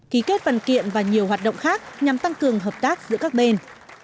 ký kết văn kiện và nhiều hoạt động khác nhằm tăng cường hợp tác giữa các bên